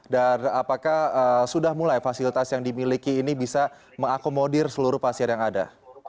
dan apakah sudah mulai fasilitas yang dimiliki ini bisa mengakomodir seluruh pasien yang ada